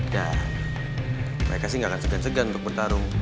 dan mereka sih gak akan segan segan untuk bertarung